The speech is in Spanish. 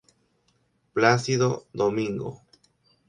Plácido Domingo.